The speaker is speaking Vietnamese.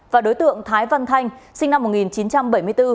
và đối tượng thái văn thanh sinh năm một nghìn chín trăm bảy mươi bốn